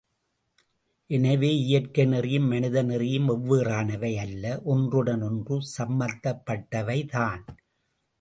எனவே, இயற்கை நெறியும், மனிதநெறியும் வெவ்வேறானவை அல்ல ஒன்றுடன் ஒன்று சம்பந்தப்பட்டவை தான்.